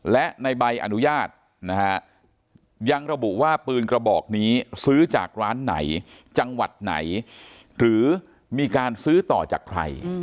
และในใบอนุญาตนะฮะยังระบุว่าปืนกระบอกนี้ซื้อจากร้านไหนจังหวัดไหนหรือมีการซื้อต่อจากใคร